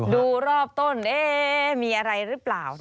ดูรอบต้นเอ้าวววมีอะไรรึเปล่า